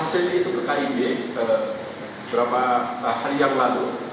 saya mengirim itu ke kib beberapa hari yang lalu